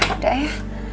jatuh di mana ya